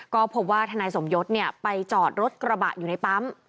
ก็พบว่าทนายสมยศไปจอดรถกระบะอยู่ในปั๊ม